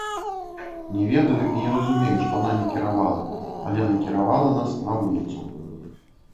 Не ведаю і не разумею, што намі кіравала, але накіравала нас на вуліцу.